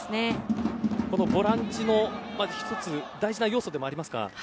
ボランチの１つ大事な要素でもありますか。